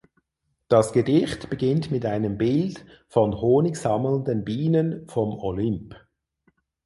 Das Gedicht beginnt mit einem Bild von Honig sammelnden Bienen vom Olymp.